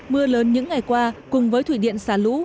mưa lớn những ngày qua cùng với thủy điện xả lũ